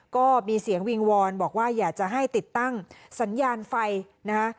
ก็มีเสียงวิงวอนบอกว่าอยากจะให้ติดตั้งสัญญาณไฟนะคะ